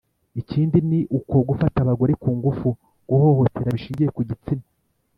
ikindi ni uko, gufata abagore ku ngufu, guhohotera bishingiye ku gitsina,